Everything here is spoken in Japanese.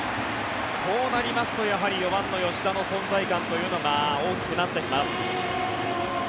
こうなりますと、やはり４番の吉田の存在感というのが大きくなってきます。